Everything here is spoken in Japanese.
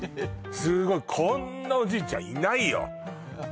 すごいこんなおじいちゃんいないよ